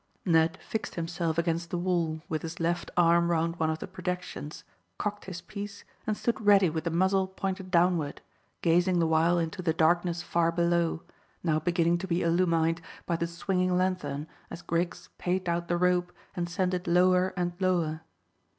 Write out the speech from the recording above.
Ned fixed himself against the wall with his left arm round one of the projections, cocked his piece, and stood ready with the muzzle pointed downward, gazing the while into the darkness far below, now beginning to be illumined by the swinging lanthorn, as Griggs paid out the rope and sent it lower and lower.